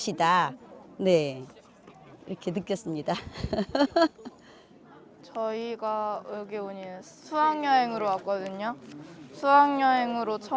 sejak dinasti joseon japsang telah menjadi elemen penting dalam arsitektur bangunan istana kerajaan